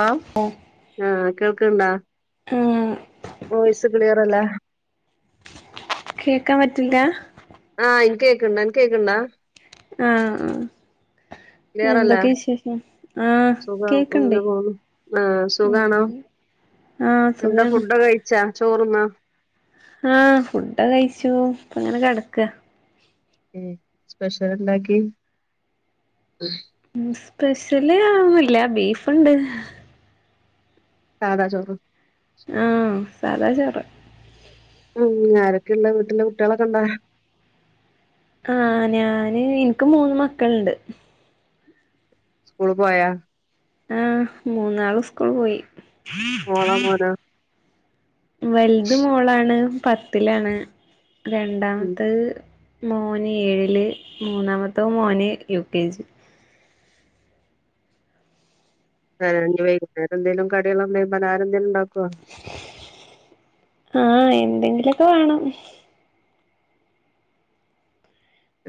ആ ആഹ് കേൾക്കണ്ണ്ടാ ആഹ് വോയിസ് ക്ലിയർ അല്ല കേക്കാൻ പറ്റില്ല ആഹ് എനിക്ക കേക്കണ്ട എന കേക്കണ്ടാ ആഹ് ആ ക്ലിയറല്ലേ എന്തൊക്കെ വിശേഷം ആഹ സുഖം കേക്കുണ്ടേ അങ്ങനെ പോവുന്നു ആഹ് സുഖാണോ ഉം ആഹ് സുഖാണ് ചോറ് ന്നാ ആഹ ഫുഡ കഴിച്ചു ഇപ്പ അങ്ങനെ കിടക്ക ഉം സ്പെഷ്യൽ ഉണ്ടാക്കി ഉം സ്പെഷ്യൽ ല് ഒന്നില്ല ബീഫുണ്ട്- സാത ചോറ് ആഹ് സതാ ചറ് ഉം ആരൊക്കെയള്ള വീട്ടന്റെ കുട്ടികളൊക്കെ ഉണ്ട ആഹ ഞാന് എനിക്ക് മൂന്ന് മക്കളുണ്ട് സ്കൂൾ പോയാ ആഹ് മൂന്നാള് സ്കൂൾ പോയി മോളോ മോനോ? വലുത് മോളാണ് പത്തിലാണ് ഉം രണ്ടാമത്തെത്- മോന് ഏഴില് മൂന്നാമത്തോ മോന് യു കെ ജി ഏ ഇഞ് വൈകുന്നേരെന്തെലും കടികളന്തേലും പലഹാരംന്തെലും ണ്ടാ ക്കൊ ആ എന്തെങ്കിലൊക്കെ വേണം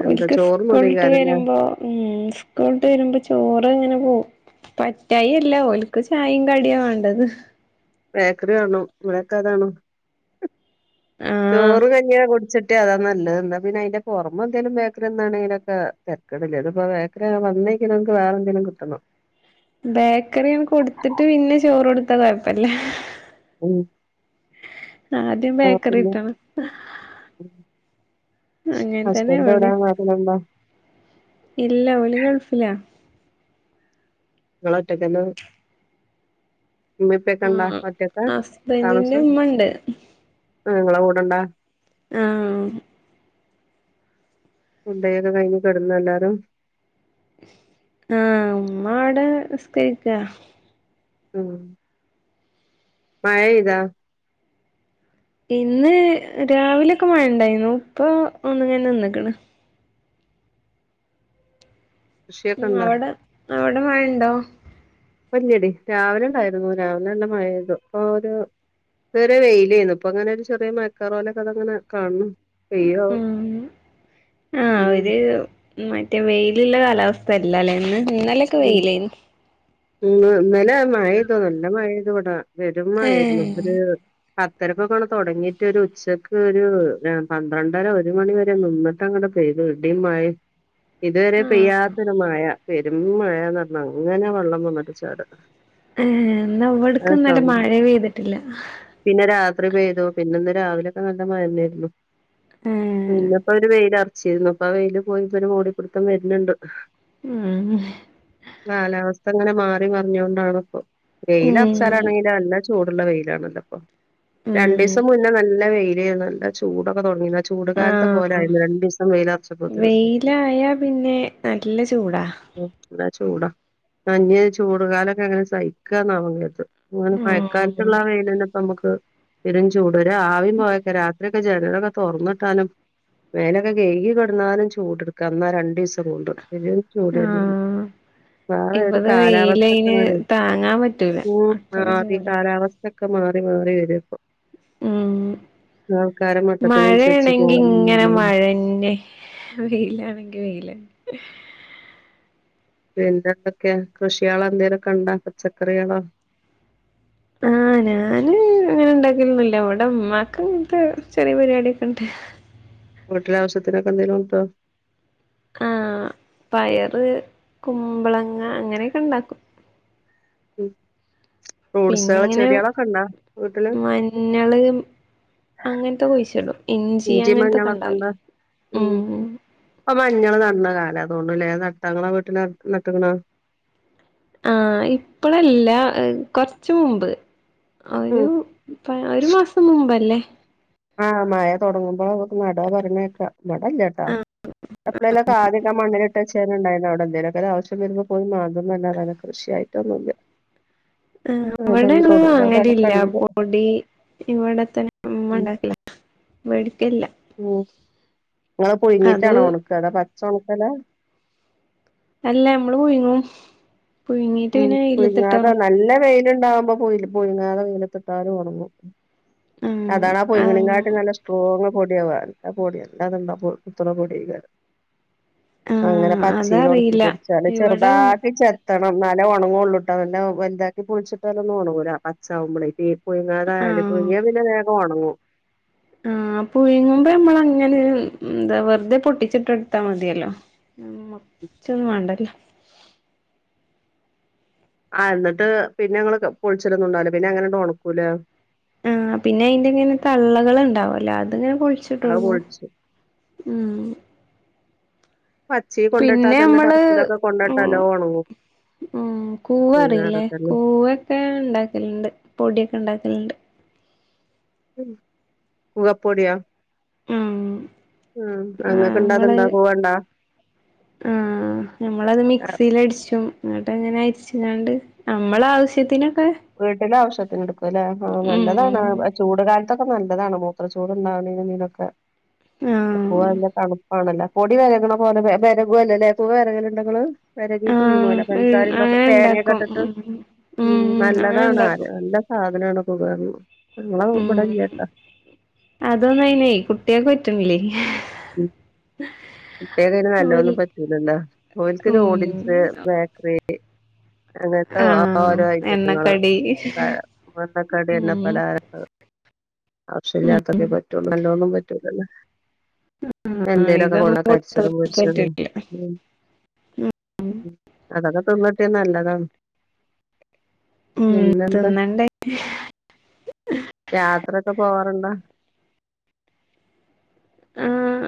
എന്താ ഒക്കെ സ്കൂൾട്ട് ചോറൊന്നുല്ലേക്കാരല്ലേ വരുമ്പോ ഉ സ്കൂൾട്ട് വരുമ്പോ ചോറ് ഇങ്ങനെ പോഉം പറ്റായി അല്ല ഓൽക്ക് ചായയും കടിയാ വേണ്ടത് ബേക്കറി കാണോ ഇവിടെക്കെ അതാണോ ആഹ് ചോറ് കഞ്ഞിയ കുടിചെ മറ്റേ അതാ നല്ലത് എന്നാ പിന്നെ അയിന്റെ പുറമെ എന്തേലും ബേക്കറി ന്നാണങ്കിലൊക്കെ തരക്കടില്ല ഇത്പ്പോ ബേക്കറി വന്നക്ക് വേറെന്തെലും കിട്ടണം കിട്ടണോ ബേക്കറി കൊടുത്തിട്ട് പിന്നെ ചോറ് കൊടുത്താ കുഴപ്പല്ല ഉം ആദ്യം ആഹ് പിന്നെ ബേക്കറിട്ടണം ങ്ങനതന്നെ ഹസ്ബൻഡ് എവിടെ എവിടേം നാട്ടിലുണ്ടോ ഇല്ല ഓല് ഗൾഫിലാ ങ്ങള് ഒറ്റക്കന്നെ ഉമ്മേം ഉപ്പേം ഒക്കെണ്ടാ ആ ഒറ്റക്കാ ഹസ്ബൻറന്റെ ഉമ്മണ്ട് ആ ങ്ങളെ കൂടണ്ടാ ആആ ഉണ്ടയക്കെ കഴിഞ് കടന്നോ എല്ലാരും ആ ഉമ്മ ആടെസ്കരിക്ക മം മഴയ്താ ഇന്ന് രാവിലെ ഒക്കെ മഴണ്ടായിനു ഇപ്പോ ഒന്ന് ങ്ങനെ നിന്ന്ക്ണ് കൃഷിയൊക്കെ ഇണ്ടാ അവട മഴ ണ്ടോ പ്പില്ലടി രാവിലെ ഇണ്ടായിരുന്നു രാവിലെ നല്ല മഴ പെയ്തു. ഇപ്പോരു ചെറിയ വെയിലേന്നു ഇപ്പൊ ഇങ്ങനെ ഒരു ചെറിയ മഴക്കാറ് പോലൊക്കെ അതഅങ്ങനെ കാണുന്നു. പെയ്യോ ആവോ ഇഹ് ഇം ആഹ് ഉം ഒര് മറ്റേ വെയി ലില്ല കാലാവസ്ഥ അല്ലാലേ ഇന്ന്. ഇന്നലേക്ക വെയിലേന്നു മം ഇന്നല മഴ യ്തു നല്ല മഴാണ് ത് വടെ പെരും മയേരുന്നു ഏഹ് ഇപ്പൊര് പത്തരകൊക്കെണ്ട് തൊടങ്ങിട്ട് ഒരു ഉച്ചക്ക് ഒരു പന്ത്രണ്ടര ഒരു മണി വരെ നിന്നിട്ട് അങ്ങട് പെയ്ത് ഇടിം മഴിം ഇതുവരെ ആഹ് പെയ്യാത്തൊരുമഴ രും മഴാന്ന് പറഞ്ഞ അങ്ങനെ വെള്ളം വന്നിട്ട് ചാട ഏഹ് നന്നാ ആ വിട്ക്ക്ന്നലെ സൗണ്ട് മഴ പെയ്തിട്ടില്ല ത്രി പെയ്തു പിന്നെ ഇന്ന് രാവിലൊക്കെ നല്ല മഴന്നേരുന്നു ഏഹ് പിന്നപ്പോ ഒരു വെയിൽ അ ച്ചെരിന്നപ്പ ആ വെയില് പോയി ഇപ്പോ മൂടിപ്പിടുത്തം വര്ന് ണ്ട് ഉം [unintelligible] അതങ്ങനെ മാറി മറഞ്ഞുകൊണ്ടാണ് ഇപ്പൊ ഉം വെയ്ല്ലറച്ചാലങ്ങെങ്കിൽ നല്ല ചൂടുള്ള വെയിലാണല്ലപ്പം ഉം രണ്ടീസം മുന്നേ നല്ല വെയില് നല്ല ചൂടൊക്കെ തുടങ്ങിണ് ആഹ വെയിലറച്ചപ്പോത്തിന് വെയിലായ പിന്നെ നല്ല ചൂടാ ഇവട ചൂടാ അഹ് ഇഞ്ഞി ചൂട് കാലൊക്കെ എങ്ങനെ സഹിക്കാന്നാ [unintelligible] അങ്ങനെ ഉം മഴക്കാലത്തിള്ള ആ വെയിലിന് നമുക്ക് പെരും ചൂ ഒരാവിം പോകക്കെ രാത്രി ജനലൊക്കെ തൊറന്നിട്ടാലും മേലൊക്കെ കെഴുകി കിടന്നാലും ചൂടെടുക്കാ അന്നാ രണ്ടീസം കൊണ്ട് [unintelligible] ചൂടേരുന്നു ആഹ് വേറെ ഒരു ഇപ്പത് വെയിലയിന് കാലാവസ്ഥ‌ക്കിങ്ങട് താങ്ങാൻ പറ്റൂല [unintelligible] അത്ര മാറി ചൂടാ കാലാവസ്ഥ ക്ക മാറി മാറി വെരാ ഇപ്പം ഉം മട്ടത്തിനനുസരിച്ച് മഴയാണെങ്കി ഇങ്ങനെ പോകാനും മഴന്നെ വെയിലാണെങ്കി വെയിലന്നെ പിന്നെന്തൊക്കെയ കൃഷികളോ എന്തേലൊക്കെണ്ടാ പച്ചക്കറികളോ ആഹ് ഞാന് അങ്ങനെ ഇണ്ടാക്കലൊന്നുല്ല ഇവിടെ ഉമ്മാക്ക് ഇങ്ങനത്തെ ചെറിയ പരിപാടിയൊക്കെ ഇണ്ട്. വീട്ടിലെ ആവശ്യത്തിനൊക്കെ എന്തേലും കിട്ടോ ആഹ് പയറ് കുമ്പളങ്ങ അങ്ങനേക്ക ഇണ്ടാക്കും. ഉം പിന്നെ ഇങ്ങനെ വീട്ടില് മഞ്ഞള്. അങ്ങനത്തെ കുഴിച്ചിടും. ഇഞ്ചി അങ്ങൻത്തൊക്കെ ണ്ടാവുലെ. ഉം പ്പൊ മഞ്ഞള് നട്ണ കാലതോന്നുണുലെ നട്ടാ ഇങ്ങളെ വീട്ടില് നട്ട്ക്ക്ണോ? ആഹ് ഇപ്പളല്ല കൊർച്ച് മുമ്പ് ഉം ഒരു പ ഒരു മാസം മുമ്പല്ലേ ആഹ് മഴ തൊടങ്ങുമ്പോ നടാ പർഞ്ഞേക്ക ബടല്ലട്ടാ എപ്പളേലൊക്കെ ആദ്യൊക്കെ ആ മണ്ണില്ട്ടച്ചേന്നെന്ണ്ടായിണവടെ എന്തേലൊക്കൊരാവശ്യം വരുമ്പോ പോയി മാന്തും ന്നല്ലാതെ കൃഷിയായിട്ടൊന്നുല്ല. ആഹ് ഇവടെ അവിടൊന്നും ഞങ്ങള് തൊടൂല അവിടെടൊക്കെ വാങ്ങലില്ല ഉണ്ട് പൊടി ഇവടെത്തെന്നെ [unintelligible] ഇമ്മ ഉം ണ്ടാക്കല വെടിക്കേല്ല. ഉം നിങ്ങള് പുഴിങ്ങിട്ടാണോ ഒണക്ക അതോ പ ച്ചൊണക്കല. അല്ല അമ്മള് പുയിങ്ങും. ഉം പുയ്ങ്ങാതെ നല്ല വെയ് ല് ണ്ടാവകുമ്പോ പുയ് പുയ്ങ്ങാതെ വെയ്ലത്തിട്ടാലും ഓണങ്ങും. ആഹ് അതാണാ ആഹ് പയ്ങ്ങ്ണേകാട്ടിം നല്ല സ്ട്രോങ്. പൊട്യാ വാർത്ത പൊടി അല്ല ന്തെന്താപ്പൊ കുത്ത്ണ പൊട്യെക്കാരം. അങ്ങനെ ആഹ് പച്ചേല് ഒണക്കി അതറിയില്ല പൊടിച്ചാല് ഇവിടെ ചെറ്താക്കി ചെത്ത ണം ഇന്നാലേ ഒണങ്ങൊള്ളൂ ട്ടോ നല്ലം വല്താക്കി പൊളിച്ചിട്ടാലൊന്നും ഒണങ്ങൂല പച്ചാവുമ്പളേ തീ പുയ്ങ്ങതായാല് ആഹ് പുയ്ങ്ങിയ പിന്നെ വേഗം ഒണങ്ങും. ആഹ് പുയ്ങ്ങുമ്പോ ഞമ്മളങ്ങനെ എന്താ വെറ്തെ പൊട്ടിച്ചിട്ടൊട്ത്താ മതിയല്ലോ മർച്ചൊന്നും വാണ്ടല്ലോ ആഹ് എന്നിട്ട് പിന്നെ ഞങ്ങള് പൊളിച്ചലൊന്നും ഉണ്ടാവൂല. പിന്നെ അങ്ങനെണ്ട് ഒണക്കുലേ. ആഹ് പിന്നെ അയിന്റെങ്ങനെ തള്ളക ള് ഇണ്ടാവൊല്ലോ അത്ങ്ങനെ അത് പൊൾച്ച്ട്ടോട്ക്കും പൊളിച്ചു ഊം. പച്ചേ കൊണ്ടിട്ടാ പിന്നെ തന്നെ നമ്മള് ടെറസിലൊക്കെ കൊണ്ടിട്ടാ ഉം നല്ലോം ഒണങ്ങും ഉം പുഴുങ്ങാതെ കൂവറീലേ തന്നെ കൂവെക്കെ ഇണ്ടാക്കലല്ണ്ട് പൊട്യെക്കെ ഇണ്ടാ ൽണ്ട്. ഉം കൂവപ്പൊട്യോ? ഉം. ഉം ആഹ് അങ്ങക്ക് നമ്മള് ഇണ്ടാത്ണ്ടാ കൂവണ്ടാ ആഹ് ആ ഇങ്ങട്ടെങ്ങനെ അരിച്ച്ങ്ങാണ്ട് നമ്മളാവശ്യത്തിന്, വീട്ടിലെ ആവശ്യ ത്തിന് ഇട്ക്കും. അതെ ലേ ആഹ് നല്ലതാണ് ഉം ചൂട്കാല ഇതൊക്കെ നല്ലതാണ് മൂത്രച്ചൂട്ണ്ടാവ്ണേനും തിനൊക്കെ ഒപ്പം ആഹ് അല്ല തണു ആണല്ലേ പൊടി വെരക്ണ പോലെ വെ വെരകു അല്ലലേ കുവവെരകല്ണ്ടങ്ങള് വെരകീട്ട് ആഹ് നിന്നോലാേ പൻസാരിം തൊക് അങ്ങനെ ഉണ്ടാക്കും തേങ്ങ്യൊക്കെട്ട്ട്ട് ഉം ഉം അങ്ങനെ നല്ലതാണ് ആര് ഉണ്ടാക്കും നല്ല സാ അങ്ങനാണാെക്ക [unintelligible] ഉം ഉം അതൊന്നു അയ്നെ കുട്ട്യേക്ക് പറ്റ്ൺല്ലേ ഉം കുട്ട്യേക്കയ്ന് നല്ലൊന്നും ഓല് പറ്റൂലല്ലാ ഓൽക്ക് ഉം നൂഡിൽസ് ബേക്ക്റി റി അങ്ങൻത്തെ ഒ ആഹ് ഓരോ ഐറ്റത്ത്ങ്ങള് എണ്ണക്കടി വാ വന്നക്കടി എണ്ണ ഉം പലഹാരങ്ങള് ആവശ്യല്ലാത്തൊക്കെ പറ്റൊള്ളൂ നല്ലഒന്നും പറ്റൂലല്ലോ ആഹ് എന്തേലൊക്കെ ഇതൊന്നും കൊള്ള കര്ച്ചതും കൊടുത്തവർക്ക് പൊര്ച്ചതും പറ്റില്ല ഉം ഉം അതൊക്കെ തിന്ന്ട്ട്യാ നല്ലതാണ് ഉം പിന്നെന്താ തിന്നണ്ടേ യാ ത്രയെക്കെ പോവാറ്ണ്ടാ ആഹ്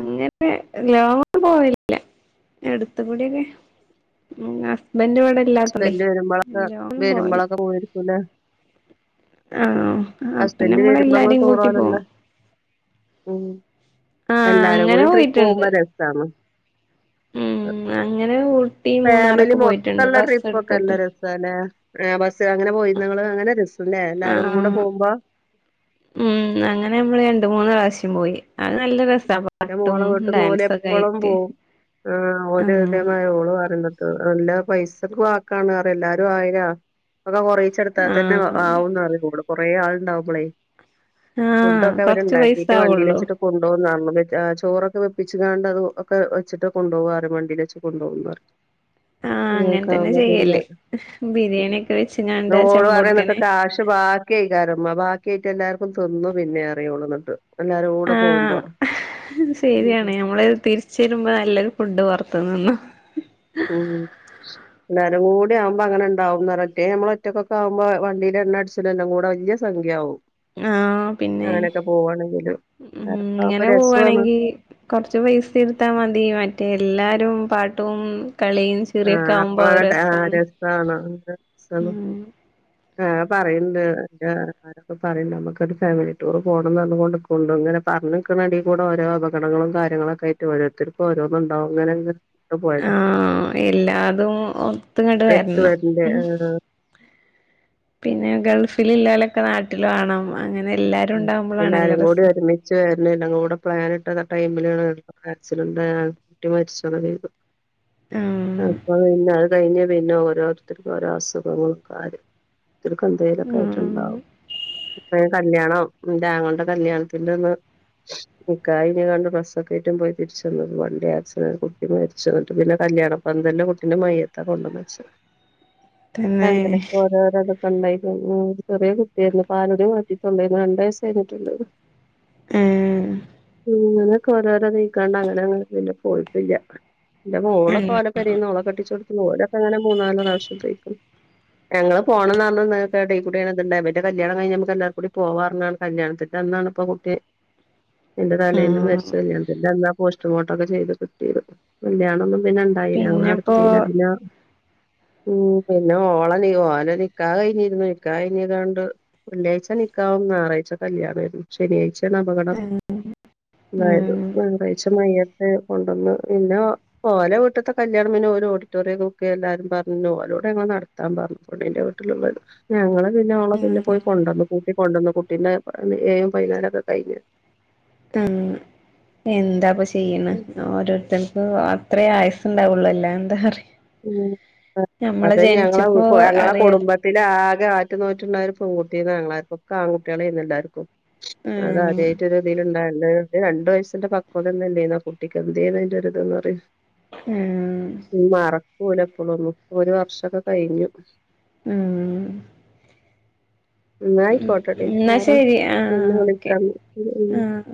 അങ്ങനെ ലോങ്ങാെന്നു പോവേല്ല എട്ത്ത്കൂട്യൊക്കെ ഉം ഹസ് ബെന്റ് വടെല്ലാത്തോണ്ടേ ഹസ്ബൻഡ് വരുമ്പോളൊക്കെ ലോങ്ങാന്നും പോവല് വരുമ്പോളൊക്കെ പോയിരിക്കൂലേ ആഹ് അപ്പ ഹസ്ബൻഡ് വരുമ്പോ ഇങ്ങള് നമ്മളെല്ലാരീം ടൂർ കൂട്ടി പോവും പോവലുണ്ടോ ഉം ആഹ് എല്ലാരും അങ്ങനെ കൂടി ട്രിപ്പ് പോയിട്ടുണ്ട് പോകുമ്പോ രസാണ് ഉം അ ങ്ങനെ [unintelligible] ഫാമിലി മൊത്തമുള്ള ട്രിപ്പ ഒക്കെ എടുത്തിട്ട് എല്ലാം രസല്ലേ ബസ് അങ്ങനെ പോയി നിങ്ങള് അങ്ങനെ രസല്ലേ ആ എല്ലാരും കൂടെ പോകുമ്പോ മ്മ് അങ്ങനെ നമ്മള് രണ്ട് മൂന്ന് പ്രാശ്യം പോയി അത് നല്ല രസ മോള് കിട്ടുന്ന ഓര് എപ്പോഴും പോവും ആ ഓര് ആഹ് ഇതേമാ ഓള് പറയുന്നത് നല്ല പൈസക്കെ വാക്കാണ് എല്ലാരും ആയരാ ഒക്കെ കുറച്ചെടുത്താൽ തന്നെ ആഹ് ആവുംന്ന് അറ കൂടും കൊറെേ ആൾണ്ടാവുമ്പളെ ആഹ് ഫുഡൊക്കെ കൊറച്ച് പൈസ അവരുണ്ടാക്കിട്ട് വണ്ടിൽ ആവുള്ളൂ വെച്ചിട്ട് കൊണ്ടു പോകുന്നു ചോറൊക്കെ വെപ്പിച്ചു കാണ്ട് അത് ഒക്കെ വെച്ചിട്ട് കൊണ്ടുപോവാറ് വണ്ടിൽ വച്ചച്ച് കൊണ്ടുപോകാറുണ്ട് ആഹ് ആ അങ്ങനെ കാ തന്നെ ചെയ്യല് പിന്നെോട് [unintelligible] ബിരിയാണിയൊക്കെ വെച്ച്ങ്ങാണ്ട് ആ പറയുന്നിട്ട് ചെമ്പൊട്ക്കനെ കാശ് ബാക്കിയിക്കാര ആ ബാക്കിയ ആയിട്ട് എല്ലാർക്കും തിന്നു പിന്നെ അറിയുള്ളൂ എന്നിട്ട് എല്ലാരും കൂടെ ആഹ് പോകുമ്പോ ശരിയാണ് നമ്മള് തിരിച്ച വരുമ്പോ നല്ലൊരു ഫുഡ് പുറത്തനിന്നോ [unintelligible] എ കൂടി ആവുമ്പോ അങ്ങനെ ഉണ്ടാവും നിറരറ്റേ നമ്മള ഒറ്റക്കൊക്കെകുമ്പോ വണ്ടിെ എണ്ണ അടിച്ചട്ട എല്ലും കൂടെ വലിയ സംഖ്യയാവും ആ പിന്നെ അങ്ങനെയൊക്കെ പോവാണെങ്കില് ഉ എല്ലാരും കൂടെ ആവുമ്പോ ഇങ്ങനെ രസാണ് പോവാണെങ്കി കൊറച്ച് പൈസ ഇടുത്താ മതി മറ്റേ എല്ലാരും രും പാട്ടും ട്ടും കളിയും ആഹ് ചിറിയൊക്കെ ആവുമ്പോ ആ അപ്പളാണ് ടെ രസണ് രസാണ് ആ പറയുണ്ട് എറെമാരൊക്കെ പറയണ്ട് നമ്മുക്കൊരു ഫാമിലി ടൂർ പോണംന്ന് കൊണ്ട്ടുക്കുംണ്ട് ഇങ്ങനെ പറഞ്ഞ നിക്കണ അണങ്ക കൂടെ ഓരോ അപകടങ്ങളും കാര്യങ്ങളൊക്കെയിട്ട് ഓരോരുത്തർക്കും ഓരോന്നുണ്ടാവും അങ്ങനെ പ്പോയിട്ട് ആഹ് എല്ലാതും ഒത്തങ്ങട്ട വരണം വരണ്ടേ ആഹ് പിന്നെ ഗൾഫിൽ [unintelligible] നാട്ടിൽ വേണം അങ്ങനെ എല്ലാരും ഉ ഉണ്ടാവുമ്പോളാണല്ലോ എല്ലാരും കൂടി രസം ഒരുമിച്ച് വരുന്നല്ല കൂടെ പ്ലാൻ ഇട്ടിത ടൈമിലണ് ആക്സിഡന്റ് കുട്ടി മരിച്ച് [inaudible] ആഹ് അപ്പൊ പിന്ന അത് കഴിഞ്ഞ പിന്നെ ഓരോരുത്തർക്കും ഓരോ അസുഖങ്ങൾ [unintelligible] അവർക്കെന്തേലുവൊക്കെ ആഹ് ആയിട്ട്ണ്ടാവും ഇപ്പഴും കല്യാണം ന്റെ ആങ്ങള്ടെ കല്യാണത്തിന്റന്ന് ഇക്കയും [unintelligible] ഡ്രസ്സ്‌ ഒക്കെ എട്ടും പോയി തിരിച്ചുവന്നപ്പോ വണ്ടി ആക്‌സിഡന്റ് കുട്ടി മരിച്ചു അന്നിട്ടു പിന്നെ കല്യാണപന്തലിൽ കുട്ടീടെ മയ്യത്താ കൊണ്ടൊന്നു വെച്ചാ തന്നെ അങ്ങനോക്കെ ഓരോരോ [unintelligible] ചെറിയ കുട്ടിയായിരുന്നു പാലുടി രണ്ട്‌ വയസ് കഴിഞ്ഞിട്ടുള്ളൂ ആഹ് അങ്ങനൊക്കെ ഓരോരോ നീക്കാണ്ട് അങ്ങനങ്ങനെ പിന്നെ പോയിട്ടില്ല എന്റെ മോളൊക്കെ അങ്ങനെ ഒലെ പേരെന്ന് ഓളെക്കെട്ടിച്ച് കൊടു രൊക്കെ അങ്ങനെ മൂന്നാല് പ്രാവശ്യം കൈയിക്കും [unintelligible] കൂടി പോവാറന്നാണ് കല്യാണതിന്റന്നാണ് ഇപ്പൊ കുട്ടി തിന്റെ തലേന്ന് ആഹ് മരിച്ച ന്റെ അന്നാ പോസ്റ്റ്മോർട്ടം ഒക്കെ ചെയ്ത് കിട്ടിയത് കല്യാണ പിന്നെ ഇണ്ടായി പിന്നെപ്പോ ഞങ്ങള ഉം പിന്നെ ഓള ഓലെ നിക്കഹ് കഴിഞ്ഞിരുന്നു ഞാറാഴ്ച കല്യാണം ആയിരുന്നു ശനിയാഴ്ച അപകടം ആഹ് അതായത് ആഹ് ഞായറാഴ്ച മയ്യത്ത് കൊണ്ടുവന്ന് പിന്നെ ഓലെ വീട്ടത്തെ കല്യാണം പിന്നെ ഓര് ഓഡിറ്റോറിയം ഒക്കെ ബുക്ക്‌ ചെയ്യാൻ എല്ലാരും പറഞ്ഞു ഓലോട് ഞങ്ങൾ നടത്താൻ പറഞ്ഞു ഞങ്ങള് പിന്നെ ഓളെ പിന്നെ പോയി കൊണ്ടുവന്നു കൂട്ടി കൊണ്ടുവന്നു കുട്ടീന്റെ ഏയും പൈനാറൊക്കെ കഴിഞ്ഞു ഉം എന്താപ്പ ചെയ്യാ ചെയ്യന്ന് ഓരോരുത്തർക്ക് അത്രേ ആയസ്സുണ്ടാവുള്ളു അല്ല എന്താ പറയ ഉം അതെ ഞങ്ങളെ ജനിച്ചപ്പോ ഞങ്ങളെ അറിയ കുടുംബത്തില ആ ആറ്റു നോറ്റട്ടണ്ടായത് ഒരു പെൺകുട്ടീനെ ആണല്ലോ ആൺകുട്ടികലായിരുന്നെല്ലാർക്കും അത ആഹ് [inaudible] രണ്ട വയസ്സിന്റെ പാകോത ഇല്ലായ്‌നോ ഉം ഒരു വർഷൊക്കെ കഴിഞ്ഞു ഉം ന്ന ആയിക്കോട്ടെ എന്നാ ഓറെ ശരി പിന്നെ ആഹ് ഓക്കെ വിളിക്ക ഉം ആഹ്